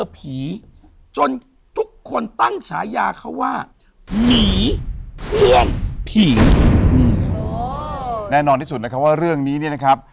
พี่เรื่องผีหนึ่งโอ้แน่นอนที่สุดนะคะว่าเรื่องนี้เนี้ยนะครับ